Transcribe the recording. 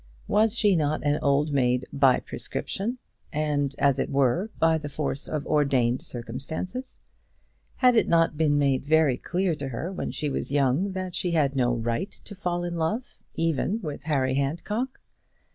Was she not an old maid by prescription, and, as it were, by the force of ordained circumstances? Had it not been made very clear to her when she was young that she had no right to fall in love, even with Harry Handcock?